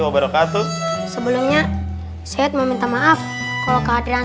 basuh sebelumnya zain meminta maaf kalau kehadiran